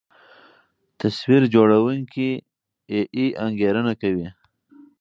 تصویر جوړوونکی اې ای انګېرنه کوي.